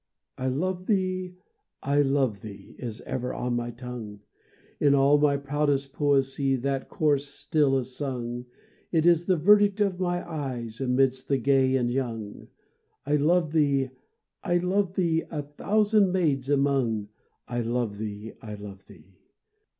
I love thee I love thee! Is ever on my tongue; In all my proudest poesy That chorus still is sung; It is the verdict of my eyes, Amidst the gay and young: I love thee I love thee! A thousand maids among. I love thee I love thee!